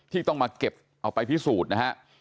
ที่ต้องมาเก็บเอาไปพิสูจน์นะฮะ